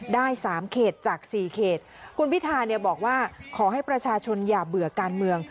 ได้สามเขตจากสี่เขตคุณพิธาเนี่ยบอกว่าขอให้ประชาชนอย่าเบื่อการเมือง